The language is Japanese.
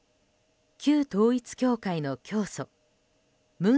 旧統一教会の教祖文